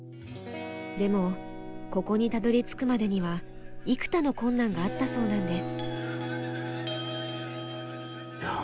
でもここにたどりつくまでには幾多の困難があったそうなんです。